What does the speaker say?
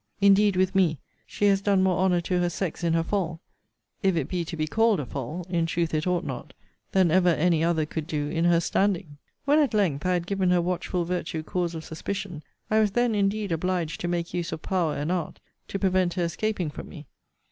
'Indeed, with me, she has done more honour to her sex in her fall, if it be to be called a fall, (in truth it ought not,) than ever any other could do in her standing. 'When, at length, I had given her watchful virtue cause of suspicion, I was then indeed obliged to make use of power and art to prevent her escaping from me.